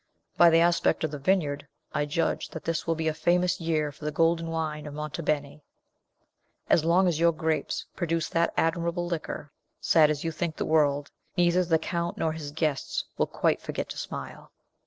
By the aspect of the vineyard, I judge that this will be a famous year for the golden wine of Monte Beni. As long as your grapes produce that admirable liquor, sad as you think the world, neither the Count nor his guests will quite forget to smile."